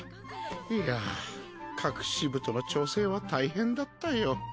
いやぁ各支部との調整は大変だったよ。